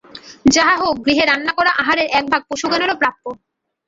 যাহা হউক, গৃহে রান্না-করা আহারের একভাগ পশুগণেরও প্রাপ্য।